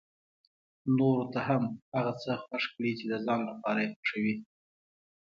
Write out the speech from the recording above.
نورو ته هم هغه څه خوښ کړي چې د ځان لپاره يې خوښوي.